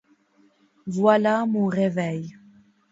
Voilà mon réveil.